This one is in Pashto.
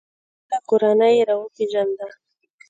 خپله کورنۍ یې را وپیژنده.